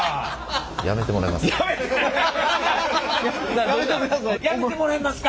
「やめてもらえますか」